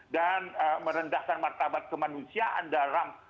dan merendahkan martabat kemanusiaan dalam